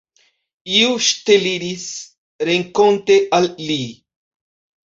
Iu ŝteliris renkonte al li.